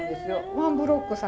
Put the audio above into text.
ワンブロック先。